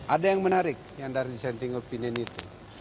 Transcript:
ada yang menarik yang dari dissenting opinion itu